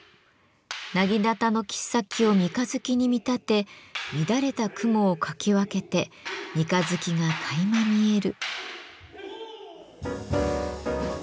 薙刀の切っ先を三日月に見立て乱れた雲をかき分けて三日月がかいま見える。